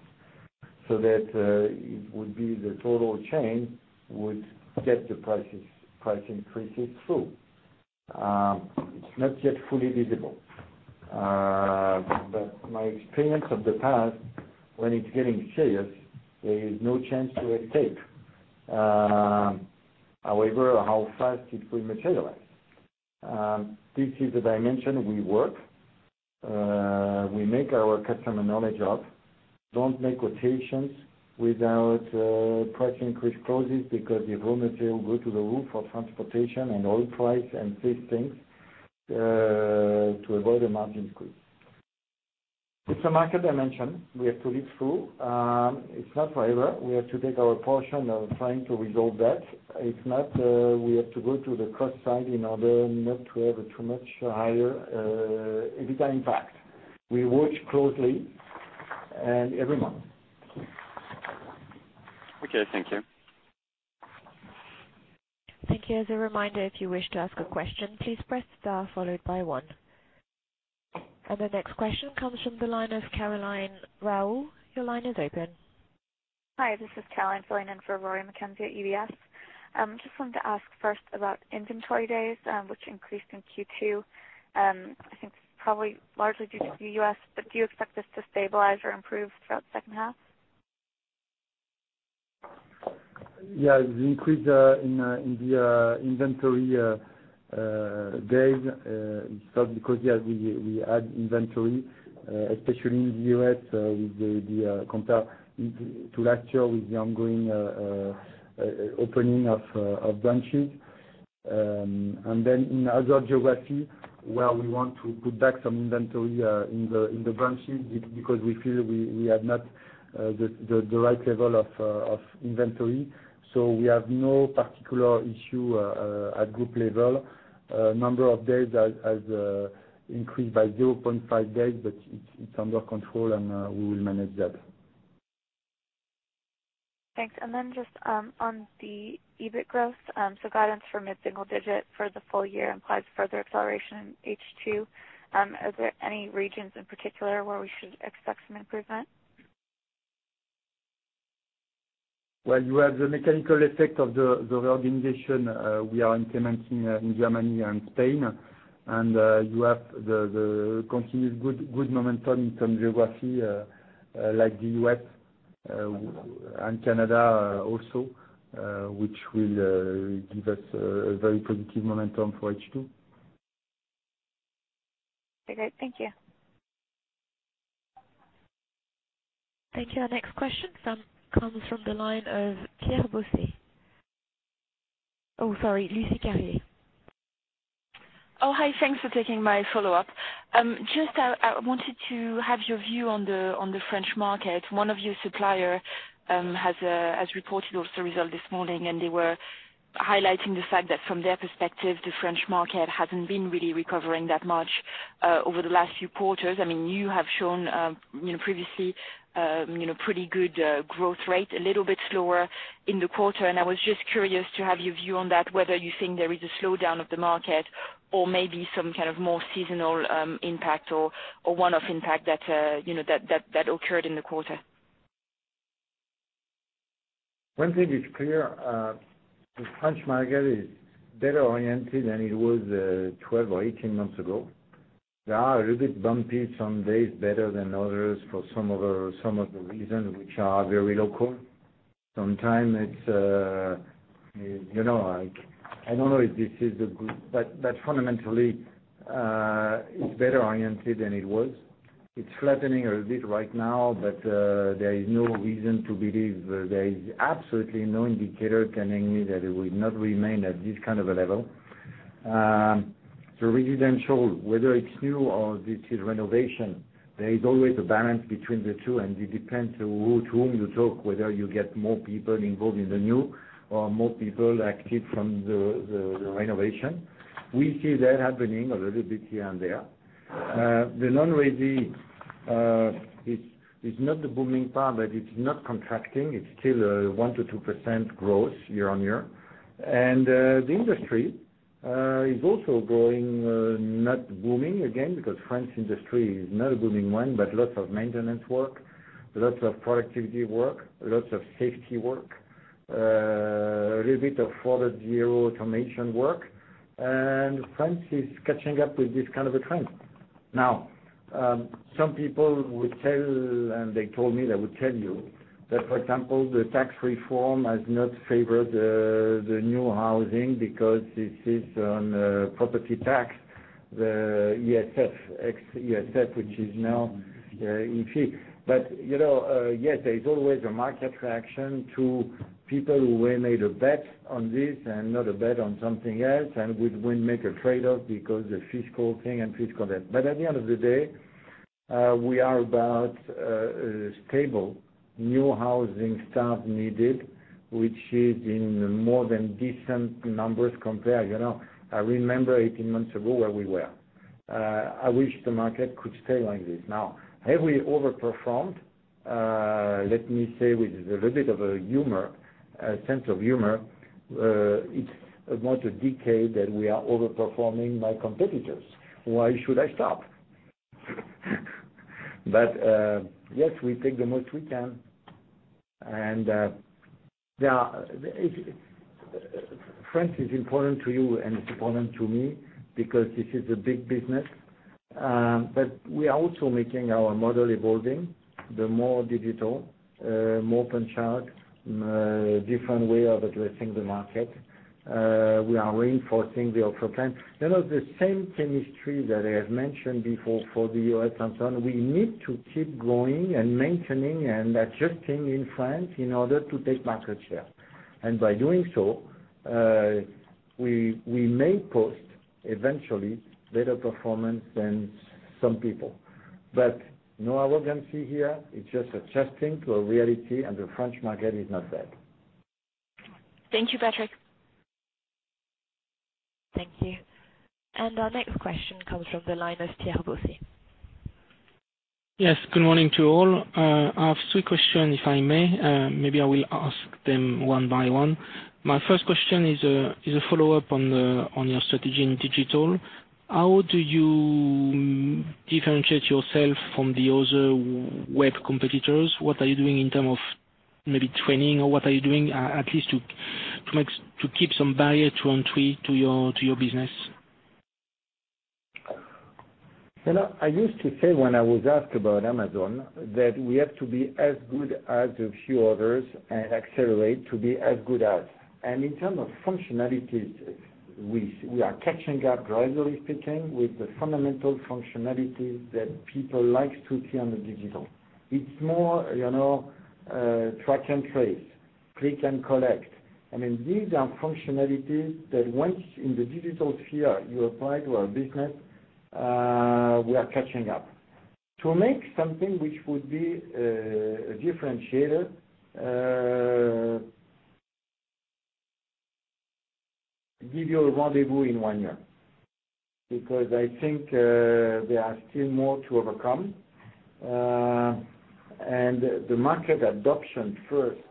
It would be the total chain would get the price increases through. It's not yet fully visible. My experience of the past, when it's getting serious, there is no chance to escape. However, how fast it will materialize. This is the dimension we work. We make our customer knowledge up. Don't make quotations without price increase clauses, because if raw material go through the roof or transportation and oil price and these things, to avoid a margin squeeze. It's a market dimension we have to live through. It's not forever. We have to take our portion of trying to resolve that. If not, we have to go to the cost side in order not to have a too much higher EBITDA impact. We watch closely and every month. Okay, thank you. Thank you. As a reminder, if you wish to ask a question, please press star followed by one. The next question comes from the line of Caroline Raoul. Your line is open. Hi, this is Caroline filling in for Rory McKenzie at UBS. Just wanted to ask first about inventory days, which increased in Q2. I think probably largely due to the U.S., do you expect this to stabilize or improve throughout the second half? The increase in the inventory days is because we had inventory, especially in the U.S., compared to last year with the ongoing opening of branches. In other geography where we want to put back some inventory in the branches because we feel we had not the right level of inventory. We have no particular issue at group level. Number of days has increased by 0.5 days, but it's under control, and we will manage that. Thanks. Just on the EBIT growth, guidance for mid-single digit for the full year implies further acceleration in H2. Are there any regions in particular where we should expect some improvement? Well, you have the mechanical effect of the reorganization we are implementing in Germany and Spain. You have the continued good momentum in some geography like the U.S. and Canada also, which will give us a very positive momentum for H2. Okay, great. Thank you. Thank you. Our next question comes from the line of Lucie Carriat. Thanks for taking my follow-up. I wanted to have your view on the French market. One of your supplier has reported also result this morning, and they were highlighting the fact that from their perspective, the French market hasn't been really recovering that much over the last few quarters. You have shown previously pretty good growth rate, a little bit slower in the quarter, and I was just curious to have your view on that, whether you think there is a slowdown of the market or maybe some kind of more seasonal impact or one-off impact that occurred in the quarter. One thing is clear, the French market is better oriented than it was 12 or 18 months ago. There are a little bit bumpy, some days better than others for some of the reasons which are very local. Sometimes it's. I don't know if this is a good. Fundamentally, it's better oriented than it was. It's flattening a little bit right now, but there is no reason to believe, there is absolutely no indicator telling me that it will not remain at this kind of a level. Residential, whether it's new or it is renovation, there is always a balance between the two, and it depends to whom you talk, whether you get more people involved in the new or more people active from the renovation. We see that happening a little bit here and there. The non-resi is not the booming part, but it's not contracting. It's still a 1%-2% growth year-over-year. The industry is also growing, not booming, again, because French industry is not a booming one, but lots of maintenance work, lots of productivity work, lots of safety work. A little bit of 4.0 Automation work. France is catching up with this kind of a trend. Now, some people would tell, and they told me they would tell you that, for example, the tax reform has not favored the new housing because this is on property tax, the ISF, ex ISF, which is now IFI. Yes, there is always a market reaction to people who will make a bet on this and not a bet on something else and would make a trade-off because the fiscal thing and fiscal that. At the end of the day, we are about stable new housing start needed, which is in more than decent numbers compared. I remember 18 months ago where we were. I wish the market could stay like this. Now, have we over-performed? Let me say with a little bit of a sense of humor, it's not a decade that we are over-performing my competitors. Why should I stop? Yes, we take the most we can. France is important to you and it's important to me because this is a big business. We are also making our model evolving, the more digital, more punch out, different way of addressing the market. We are reinforcing the Ultra Plan. The same chemistry that I have mentioned before for the U.S. and so on, we need to keep growing and maintaining and adjusting in France in order to take market share. By doing so, we may post eventually better performance than some people. No arrogance here, it's just adjusting to a reality, and the French market is not bad. Thank you, Patrick. Thank you. Our next question comes from the line of Pierre Boucheny. Yes. Good morning to all. I have three questions, if I may. Maybe I will ask them one by one. My first question is a follow-up on your strategy in digital. How do you differentiate yourself from the other web competitors? What are you doing in term of maybe training, or what are you doing at least to keep some barrier to entry to your business? I used to say when I was asked about Amazon, that we have to be as good as a few others and accelerate to be as good as. In term of functionalities, we are catching up gradually speaking with the fundamental functionalities that people like to see on the digital. It's more track and trace, click and collect. These are functionalities that once in the digital sphere you apply to our business, we are catching up. To make something which would be a differentiator, give you a rendezvous in one year. I think there are still more to overcome. The market adoption first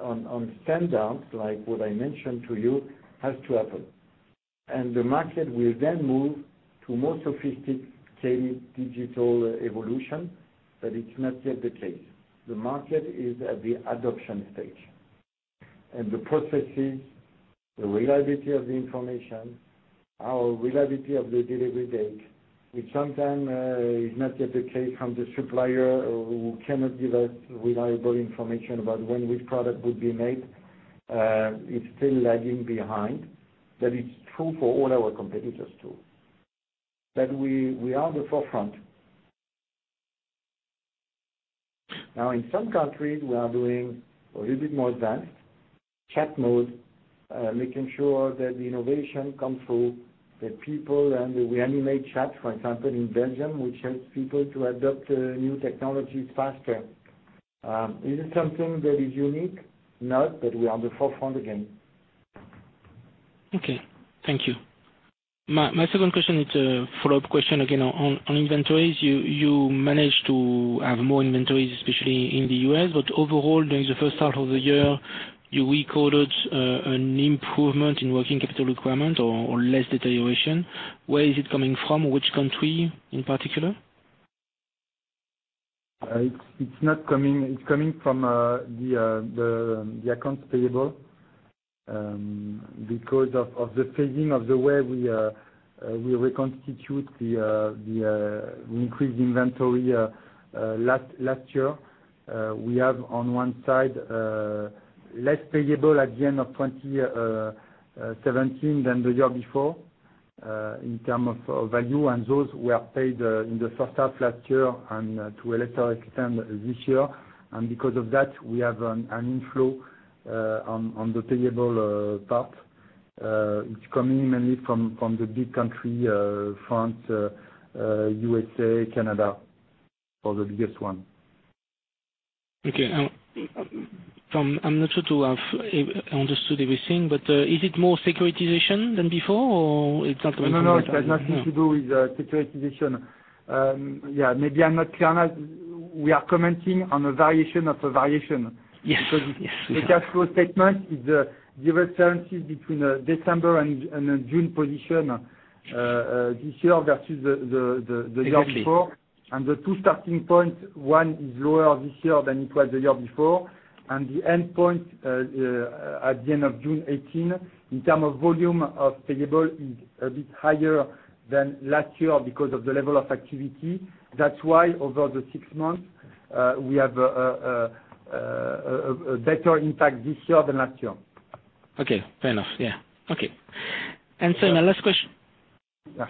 on standard, like what I mentioned to you, has to happen. The market will then move to more sophisticated digital evolution, but it's not yet the case. The market is at the adoption stage. The processes, the reliability of the information, our reliability of the delivery date, which sometime is not yet the case from the supplier who cannot give us reliable information about when which product would be made, is still lagging behind, but it's true for all our competitors too. We are at the forefront. Now, in some countries, we are doing a little bit more advanced chat mode, making sure that the innovation comes through the people and we animate chat, for example, in Belgium, which helps people to adopt new technologies faster. Is it something that is unique? No, but we are at the forefront again. Okay. Thank you. My second question is a follow-up question again on inventories. You managed to have more inventories, especially in the U.S., but overall, during the first half of the year, you recorded an improvement in working capital requirement or less deterioration. Where is it coming from? Which country in particular? It's coming from the accounts payable, because of the phasing of the way we reconstitute the increased inventory last year. We have on one side less payable at the end of 2017 than the year before, in terms of value, and those were paid in the first half last year and to a lesser extent this year. Because of that, we have an inflow on the payable part. It's coming mainly from the big country, France, U.S.A., Canada are the biggest ones. Okay. I'm not sure to have understood everything, is it more securitization than before or it's not related? No. It has nothing to do with securitization. Maybe I'm not clear enough. We are commenting on a variation of a variation. Yes. The cash flow statement is the differences between December and June position this year versus the year before. Exactly. The two starting points, one is lower this year than it was the year before. The endpoint, at the end of June 2018, in terms of volume of payable is a bit higher than last year because of the level of activity. That is why over the six months, we have a better impact this year than last year. Okay. Fair enough. Yeah. Okay. Yeah.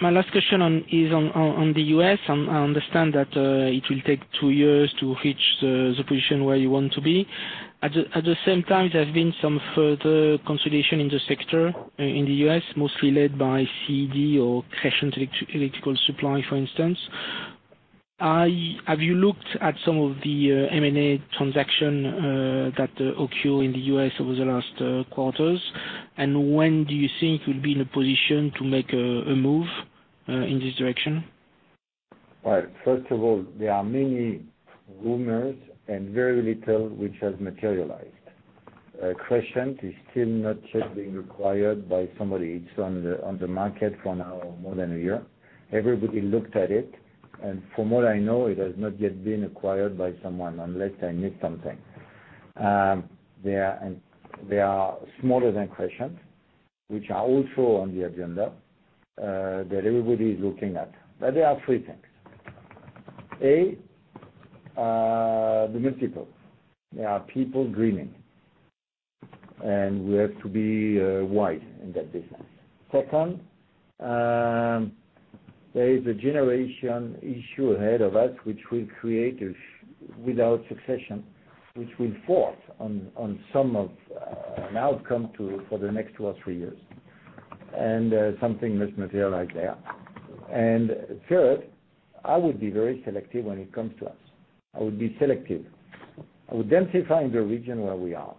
My last question is on the U.S. I understand that it will take two years to reach the position where you want to be. At the same time, there's been some further consolidation in the sector in the U.S., mostly led by CED or Crescent Electric Supply, for instance. Have you looked at some of the M&A transaction that occur in the U.S. over the last quarters? When do you think you'll be in a position to make a move in this direction? All right. First of all, there are many rumors and very little which has materialized. Crescent is still not yet being acquired by somebody. It's on the market for now more than a year. Everybody looked at it, and from what I know, it has not yet been acquired by someone, unless I miss something. There are smaller than Crescent, which are also on the agenda, that everybody's looking at. There are three things. A, the municipal. There are people greening, and we have to be wide in that business. Second, there is a generation issue ahead of us without succession, which will force on some of an outcome for the next two or three years, and something must materialize there. Third, I would be very selective when it comes to us. I would be selective. I would find the region where we are,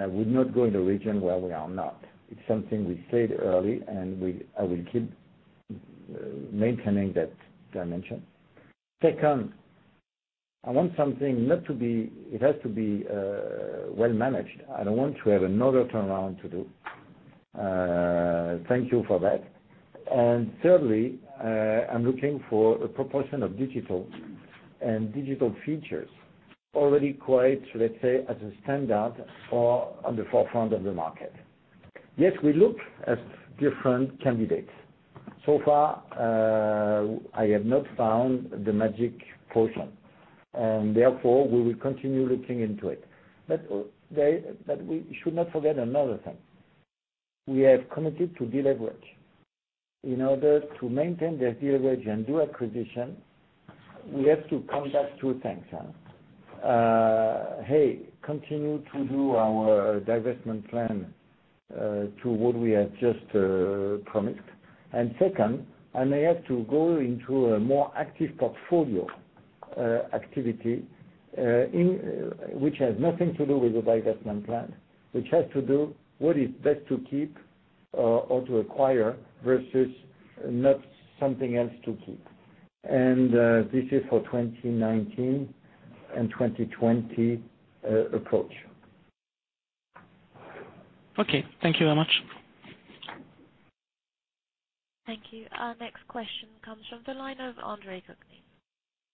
I would not go in the region where we are not. It's something we said early, I will keep maintaining that dimension. Second, I want something, it has to be well-managed. I don't want to have another turnaround to do. Thank you for that. Thirdly, I'm looking for a proportion of digital and digital features already quite, let's say, as a standard or on the forefront of the market. Yes, we look at different candidates. So far, I have not found the magic potion. Therefore, we will continue looking into it. We should not forget another thing. We have committed to deleverage. In order to maintain the deleverage and do acquisition, we have to combat two things. A. Continue to do our divestment plan, to what we have just promised. Second, I may have to go into a more active portfolio activity, which has nothing to do with the divestment plan, which has to do what is best to keep or to acquire versus not something else to keep. This is for 2019 and 2020 approach. Okay. Thank you very much. Thank you. Our next question comes from the line of Andre Kukhnin.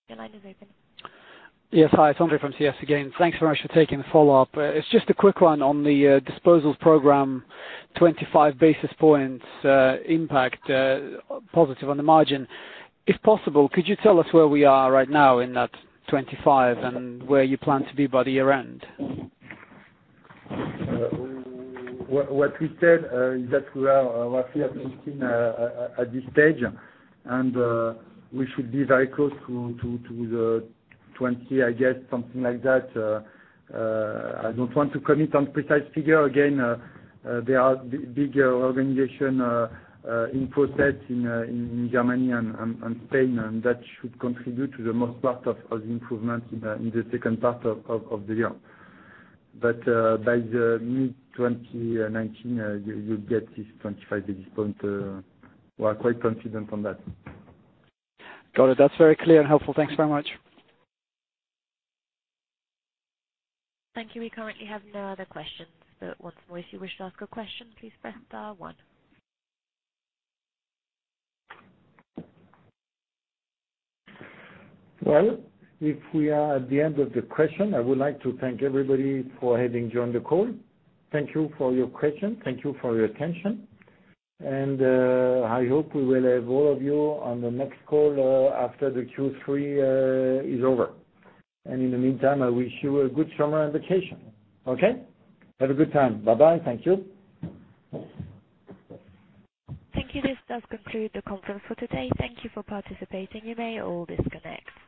Your line is open. Yes, hi. It's Andre from CS again. Thanks very much for taking the follow-up. It's just a quick one on the disposals program, 25 basis points impact positive on the margin. If possible, could you tell us where we are right now in that 25 and where you plan to be by the year-end? What we said is that we are roughly at 15 at this stage, and we should be very close to the 20, I guess, something like that. I don't want to commit on precise figure. Again, there are bigger organization in process in Germany and Spain. That should contribute to the most part of the improvement in the second part of the year. By the mid-2019, you'll get this 25 basis point. We're quite confident on that. Got it. That's very clear and helpful. Thanks very much. Thank you. We currently have no other questions, but once more if you wish to ask a question, please press star one. Well, if we are at the end of the question, I would like to thank everybody for having joined the call. Thank you for your question. Thank you for your attention. I hope we will have all of you on the next call after the Q3 is over. In the meantime, I wish you a good summer and vacation. Okay? Have a good time. Bye-bye. Thank you. Thank you. This does conclude the conference for today. Thank you for participating. You may all disconnect.